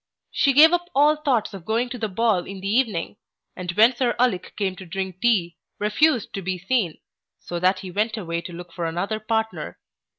She gave up all thoughts of going to the ball in the evening; and when Sir Ulic came to drink tea, refused to be seen; so that he went away to look for another partner.